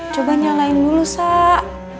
coba nyalain dulu sak